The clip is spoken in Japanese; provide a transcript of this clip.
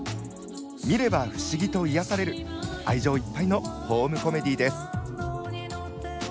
見れば不思議と癒やされる愛情いっぱいのホームコメディーです。